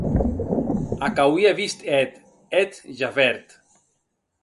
Ac auie vist eth, eth, Javert.